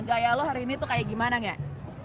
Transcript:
gaya lo hari ini tuh kayak gimana gak